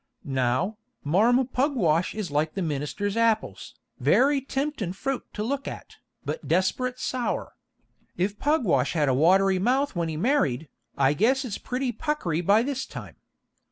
"Now, Marm Pugwash is like the minister's apples, very temptin' fruit to look at, but desperate sour. If Pugwash had a watery mouth when he married, I guess it's pretty puckery by this time.